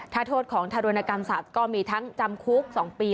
ถ้าโทษของทารุณกรรมสัตว์ก็มีทั้งจำคุก๒ปี